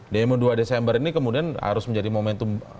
demo dua desember ini kemudian harus menjadi momentum